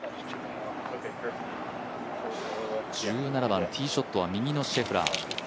１７番ティーショットは右のシェフラー。